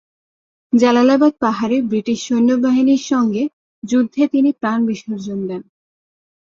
জালালাবাদ পাহাড়ে ব্রিটিশ সৈন্যবাহিনীর সংগে যুদ্ধে তিনি প্রাণ বিসর্জন দেন।